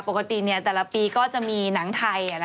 ปกติแต่ละปีก็จะมีหนังไทย